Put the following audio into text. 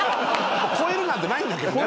超えるなんてないんだけどね。